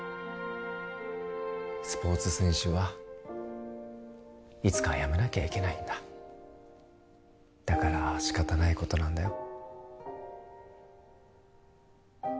スポーツ選手はいつかは辞めなきゃいけないんだだから仕方ないことなんだよ